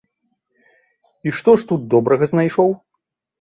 І што ж тут добрага знайшоў?